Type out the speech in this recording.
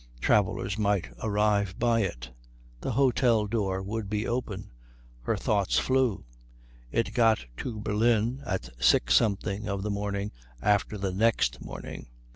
Travellers might arrive by it. The hôtel door would be open. Her thoughts flew. It got to Berlin at six something of the morning after the next morning.